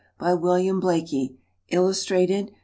By WILLIAM BLAIKIE. Illustrated.